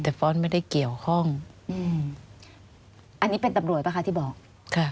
แต่ฟ้อนไม่ได้เกี่ยวข้องอืมอันนี้เป็นตำรวจป่ะคะที่บอกค่ะ